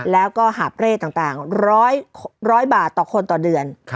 แล้วก็หาบเร่ต่าง๑๐๐บาทต่อคนต่อเดือน